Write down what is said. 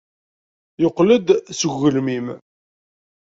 Yeqqel-d seg ugelmim.